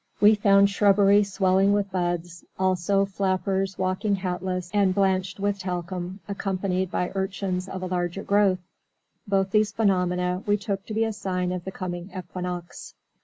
We found shrubbery swelling with buds, also flappers walking hatless and blanched with talcum, accompanied by Urchins of a larger growth. Both these phenomena we took to be a sign of the coming equinox.